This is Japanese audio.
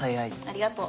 ありがと。